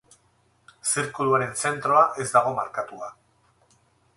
Zirkuluaren zentroa ez dago markatua.